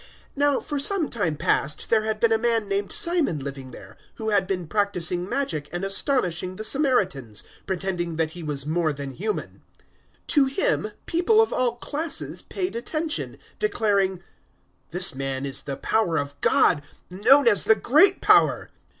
008:009 Now for some time past there had been a man named Simon living there, who had been practising magic and astonishing the Samaritans, pretending that he was more than human. 008:010 To him people of all classes paid attention, declaring, "This man is the Power of God, known as the great Power."